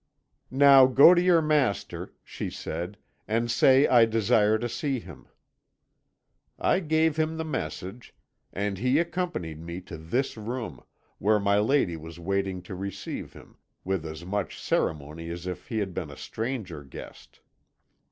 "'Now go to your master,' she said, 'and say I desire to see him.' "I gave him the message, and he accompanied me to this room, where my lady was waiting to receive him, with as much ceremony as if he had been a stranger guest.